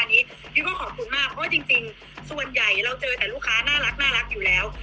อันนี้พี่ก็ขอบคุณมากเพราะว่าจริงส่วนใหญ่เราเจอแต่ลูกค้าน่ารักอยู่แล้ว